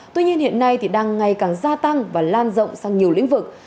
tuy nhiên hiện nay đang ngày càng gia tăng và lan rộng sang nhiều lĩnh vực